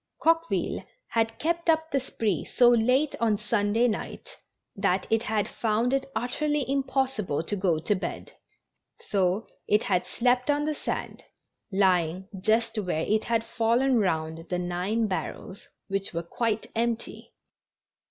Coqueville had kept up the spree so late on Sunday night that it had found it utterly impossible to go to bed, so it had slept on the sand, lying just where it had fallen round the nine barrels which were quite empty!